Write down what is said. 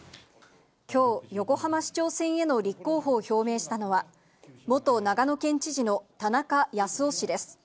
きょう、横浜市長選への立候補を表明したのは、元長野県知事の田中康夫氏です。